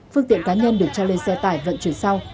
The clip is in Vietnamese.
phương tiện cá nhân được cho lên xe tải vận chuyển sau